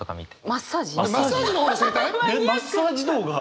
マッサージ動画？